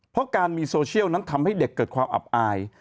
เพราะการมีโซเชียลนั้นทำให้เด็กเกิดความอับอาย